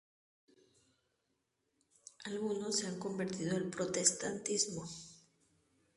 Algunos se han convertido al protestantismo.